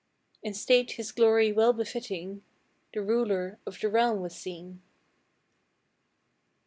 In state his glory well befitting, The ruler of the realm was seen.